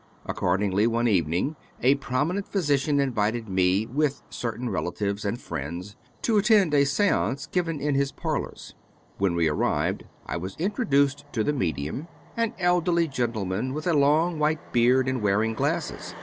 Accordingly, one evening, a prominent physician invited me, with certain relatives and friends, to attend a seance given in his parlors. When we arrived I was introduced to the medium, an 250 David P. Abbott elderly gentleman with a long white beard, and wearing glasses.